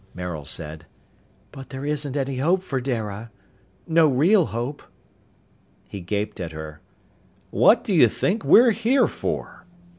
Maril said, "But there isn't any hope for Dara! No real hope!" He gaped at her. "What do you think we're here for?"